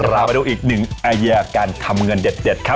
เรามาดูอีกหนึ่งไอเดียการทำเงินเด็ดครับ